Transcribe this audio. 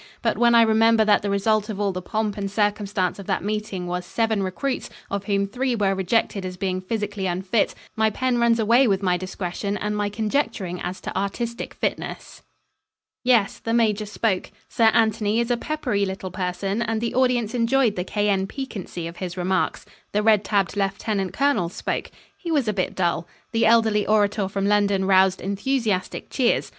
But when I remember that the result of all the pomp and circumstance of that meeting was seven recruits, of whom three were rejected as being physically unfit, my pen runs away with my discretion, and my conjecturing as to artistic fitness. Yes, the Major spoke. Sir Anthony is a peppery little person and the audience enjoyed the cayenne piquancy of his remarks. The red tabbed Lieutenant Colonel spoke. He was a bit dull. The elderly orator from London roused enthusiastic cheers.